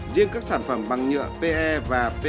riêng các sản phẩm bằng nhựa pe và pe ba